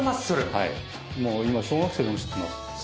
はいもう今小学生でも知ってます